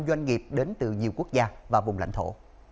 doanh nghiệp đến từ nhiều quốc gia và vùng lãnh thổ